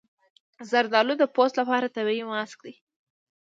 زردالو د پوست لپاره طبیعي ماسک دی.